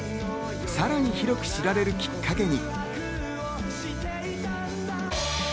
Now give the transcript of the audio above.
さらに広く知られるきっかけに。